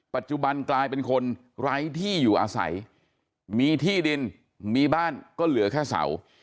กลายเป็นคนไร้ที่อยู่อาศัยมีที่ดินมีบ้านก็เหลือแค่เสา